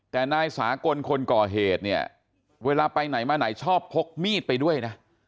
แต่นายสากลคนก่อเหตุเนี่ยเวลาไปไหนมาไหนชอบพกมีดไปด้วยนะ